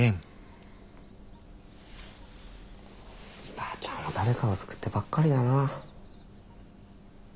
ばあちゃんは誰かを救ってばっかりだな。